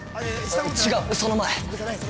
◆違う、その前！